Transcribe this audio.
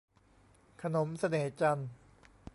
ขนมเสน่ห์จันทร์